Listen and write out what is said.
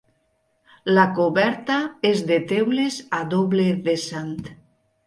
La coberta és de teules a doble vessant.